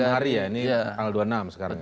tiga hari ya ini tanggal dua puluh enam sekarang